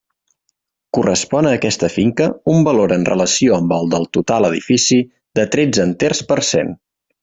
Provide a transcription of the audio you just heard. Correspon a aquesta finca un valor en relació amb el del total edifici de tretze enters per cent.